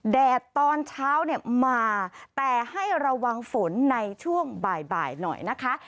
แดดตอนเช้าเนี่ยมาแต่ให้ระวังฝนในช่วงบ่ายหน่อยนะคะ